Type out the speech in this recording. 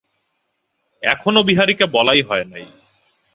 এখনো বিহারীকে বলাই হয় নাই।